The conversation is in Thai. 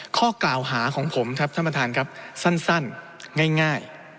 ข้อกล่าวหาของผมครับท่านประธานครับสั้นง่าย